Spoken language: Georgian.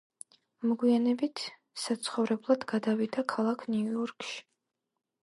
მოგვიანებით საცხოვრებლად გადავიდა ქალაქ ნიუ-იორკში.